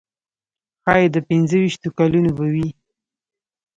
ښایي د پنځه ویشتو کلونو به وي.